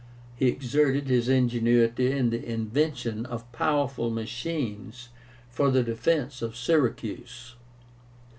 He exerted his ingenuity in the invention of powerful machines for the defence of Syracuse.